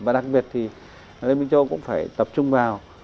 và đặc biệt thì liên minh châu âu cũng phải tập trung vào